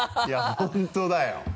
いや本当だよ。